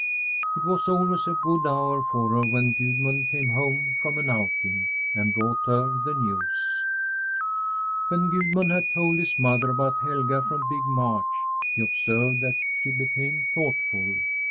It was always a good hour for her when Gudmund came home from an outing and brought her the news. When Gudmund had told his mother about Helga from Big Marsh, he observed that she became thoughtful.